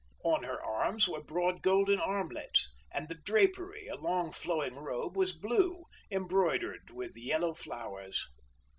On her arms were broad golden armlets, and the drapery, a long flowing robe, was blue, embroidered with yellow flowers.